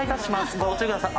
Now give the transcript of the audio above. ご注意ください。